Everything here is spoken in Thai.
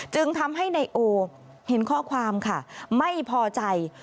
จึงทำให้นายโอเห็นข้อความค่ะไม่พอใจ